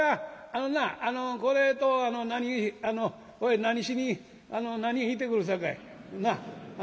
あのなこれと何何しに何へ行ってくるさかい。